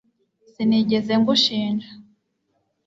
Sinigeze ngushinja